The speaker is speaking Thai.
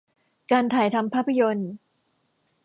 การถ่ายทำภาพยนตร์